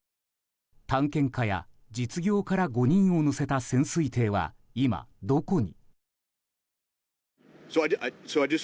探検家や実業家ら５人を乗せた潜水艇は今、どこに。